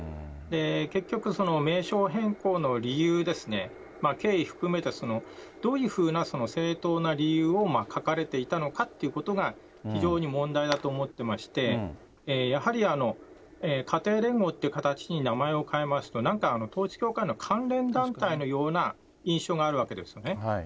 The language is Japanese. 結局、その名称変更の理由ですね、経緯含めたどういうふうな正当な理由を書かれていたのかということが非常に問題だと思っていまして、やはり、家庭連合っていう形に名前を変えますと、なんか統一教会の関連団体のような印象があるわけですよね。